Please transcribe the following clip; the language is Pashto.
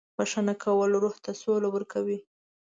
• بښنه کول روح ته سوله ورکوي.